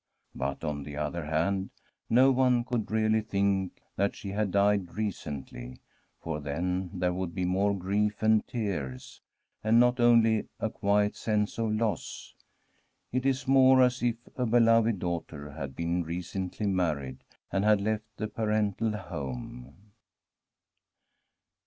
But, on the other hand, no one could really think that she had died recently, for then there would be more grief and tears, and not only a quiet sense of loss. It is more as if a beloved daughter had been recently married, and had left the parental home.